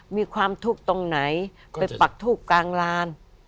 มีความทุกข์ตรงไหนไปปักทูบกลางลาน